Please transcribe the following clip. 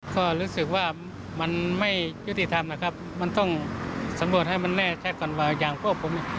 ก็รู้สึกว่ามันไม่ยุติธรรมนะครับมันต้องสำรวจให้มันแน่ชัดก่อนว่าอย่างพวกผมเนี่ย